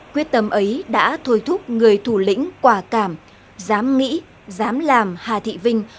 quyết tâm ấy đã thôi thúc người thủ lĩnh quả cảm dám nghĩ dám làm hà thị vinh